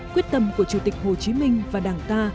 quyết tâm của chủ tịch hồ chí minh và đảng ta